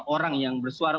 orang yang bersuara